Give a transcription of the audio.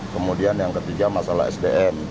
kemudian yang ketiga masalah sdm